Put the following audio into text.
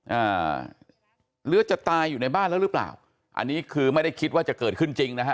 อ่าหรือจะตายอยู่ในบ้านแล้วหรือเปล่าอันนี้คือไม่ได้คิดว่าจะเกิดขึ้นจริงนะฮะ